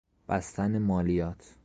بستن مالیات